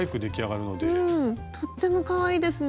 うんとってもかわいいですね。